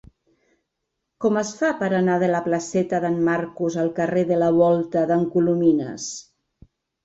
Com es fa per anar de la placeta d'en Marcús al carrer de la Volta d'en Colomines?